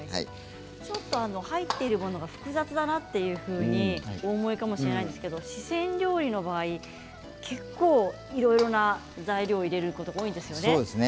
入っているものが複雑だなというふうに思うかもしれないですが四川料理の場合結構いろいろな材料を入れることが多いですよね。